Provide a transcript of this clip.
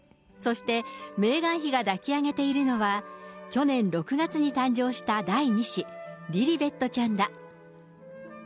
そしてメーガン妃が抱き上げているのは、去年６月に誕生した第２子、リリベットちゃんだ。